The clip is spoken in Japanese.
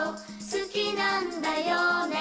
「好きなんだよね？」